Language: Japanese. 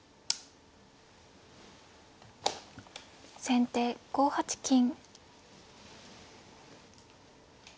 先手５八金。